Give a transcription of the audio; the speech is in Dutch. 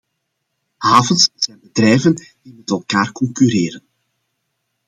Havens zijn bedrijven die met elkaar concurreren.